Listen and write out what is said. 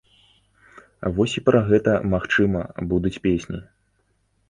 Вось і пра гэта, магчыма, будуць песні.